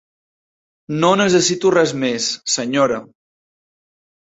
No necessito res més, senyora!